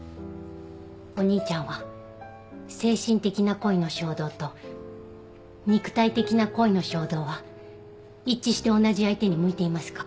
お兄ちゃんは精神的な恋の衝動と肉体的な恋の衝動は一致して同じ相手に向いていますか？